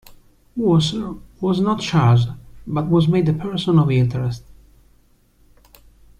Wasser was not charged but was made a person of interest.